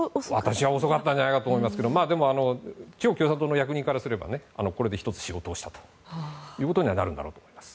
私は遅かったのではないかと思いますが中国共産党の役人からすればこれで１つ、仕事をしたということにはなるんだと思います。